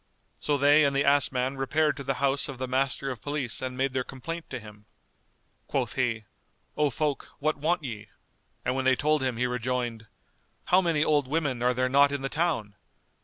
So they and the ass man repaired to the house of the master of police and made their complaint to him. Quoth he, "O folk, what want ye?" and when they told him he rejoined, "How many old women are there not in the town!